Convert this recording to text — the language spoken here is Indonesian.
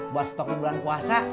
buat stok pembulan puasa